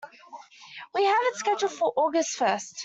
We have it scheduled for August first.